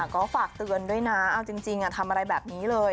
ก็ฝากเตือนด้วยนะเอาจริงทำอะไรแบบนี้เลย